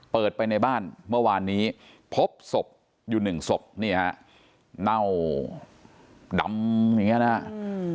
เปิดไปในบ้านเมื่อวานนี้พบศพอยู่หนึ่งศพนี่ฮะเน่าดำอย่างเงี้นะครับ